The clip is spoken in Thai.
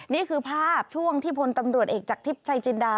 นี่คือภาพช่วงที่พลตำรวจเอกจากทิพย์ชัยจินดา